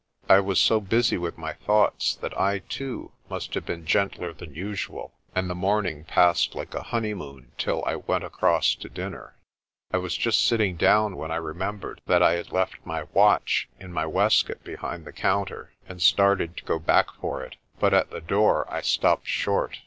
I was so busy with my THE DRUMS BEAT AT SUNSET 79 thoughts that I, too, must have been gentler than usual, and the morning passed like a honeymoon till I went across to dinner. I was just sitting down when I remembered that I had left my watch in my waistcoat behind the counter, and started to go back for it. But at the door I stopped short.